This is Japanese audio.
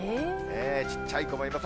ちっちゃい子もいます。